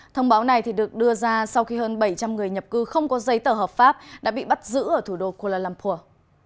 thông báo này được đưa ra sau khi hơn bảy trăm linh người nhập cư không có giấy tờ hợp pháp đã bị bắt giữ ở thủ đô kuala lumpur